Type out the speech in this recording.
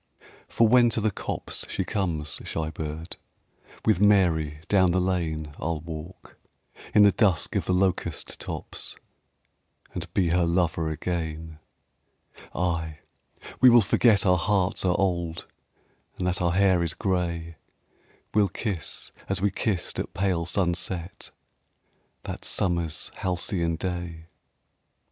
For when to the copse she comes, shy bird, With Mary down the lane I'll walk, in the dusk of the locust tops, And be her lover again. Ay, we will forget our hearts are old, And that our hair is gray. We'll kiss as we kissed at pale sunset That summer's halcyon day.